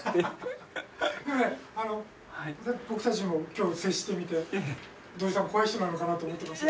僕たちも今日接してみて土井さん怖い人なのかなと思ってました。